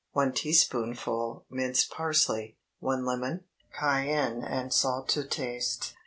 1 teaspoonful minced parsley. 1 lemon. Cayenne and salt to taste.